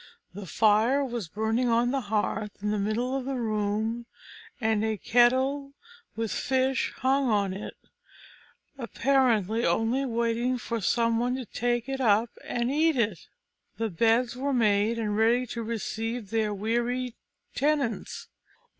The fire was burning on the hearth, in the middle of the room, and a kettle with fish hung on it, apparently only waiting for some one to take it up and eat it. The beds were made, and ready to receive their wearied tenants.